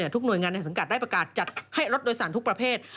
ทุกหน่วยงานในสังกัดได้ประกาศจัดให้รถโดยสารทุกประเภท